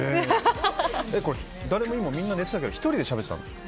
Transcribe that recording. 誰も、みんな寝てたけど１人でしゃべってたの？